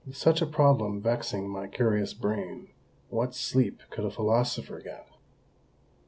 With such a problem vexing my curious brain, what sleep could a philosopher get?